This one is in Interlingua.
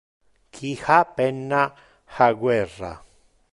Qui ha penna, ha guerra.